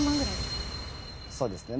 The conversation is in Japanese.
そうですね。